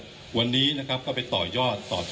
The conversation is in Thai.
คุณผู้ชมไปฟังผู้ว่ารัฐกาลจังหวัดเชียงรายแถลงตอนนี้ค่ะ